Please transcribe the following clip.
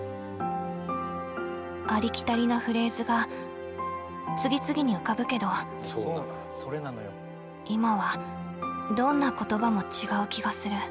ありきたりなフレーズが次々に浮かぶけど今はどんな言葉も違う気がする。